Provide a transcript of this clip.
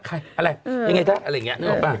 อะไรยังไงถ้าอะไรอย่างนี้นึกออกป่ะ